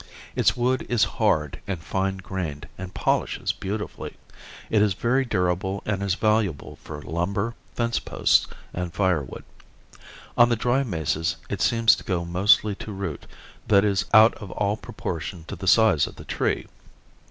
Its wood is hard and fine grained and polishes beautifully. It is very durable and is valuable for lumber, fence posts and firewood. On the dry mesas it seems to go mostly to root that is out of all proportion to the size of the tree.